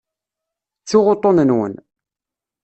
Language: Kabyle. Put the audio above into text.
Ttuɣ uṭṭun-nwen.